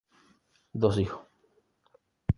Dos hijos.